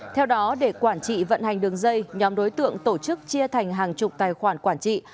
theo đó để quản trị vận hành đường dây nhóm đối tượng tổ chức chia thành hàng chục tài khoản quản trị